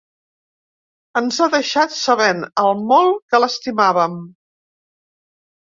Ens ha deixat sabent el molt que l’estimàvem.